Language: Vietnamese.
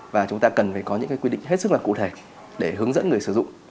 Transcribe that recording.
và chúng ta cần phải có những quy định hết sức là cụ thể để hướng dẫn người sử dụng